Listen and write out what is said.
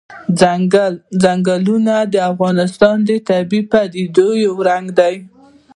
ځنګلونه د افغانستان د طبیعي پدیدو یو رنګ دی.